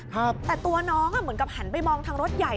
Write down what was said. แต่ตัวน้องเหมือนกับหันไปมองทางรถใหญ่